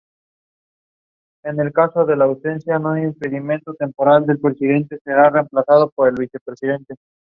Para elaborar comales se utiliza un canasto o "nido", que sirve de molde.